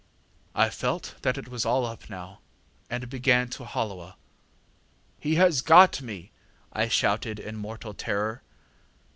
ŌĆ£I felt that it was all up now, and began to holloa. ŌĆ£ŌĆśHe has got me! ŌĆÖ I shouted in mortal terror.